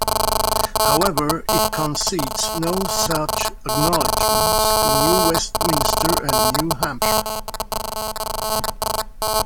However, it concedes no such acknowledgement to New Westminster and New Hampshire.